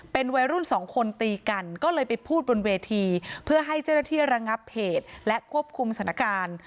เป็นวัยรุ่นสองคนตีกันก็เลยไปพูดบนเวทีเพื่อให้เจ้าหน้าที่ระงับเหตุและควบคุมสถานการณ์